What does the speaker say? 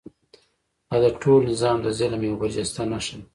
دا د ټول نظام د ظلم یوه برجسته نښه ده.